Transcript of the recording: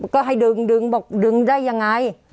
ก็ให้ดึงดึงได้ยังไง